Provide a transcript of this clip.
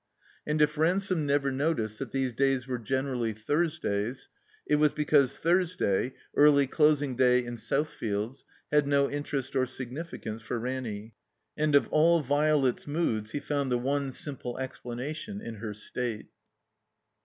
And if Ransome never noticed that these days were generally Thtirsdays, it was because Thursday (early dosing day in Southfields) had no interest or significance for Ranny. And of all Violet's moods he found the one simple explanation in her state.